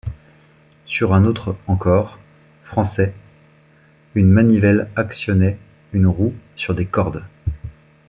Sur un autre encore, français, une manivelle actionnait une roue sur des cordes.